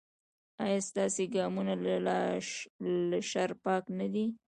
ایا ستاسو ګامونه له شر پاک نه دي؟